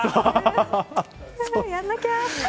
やんなきゃ。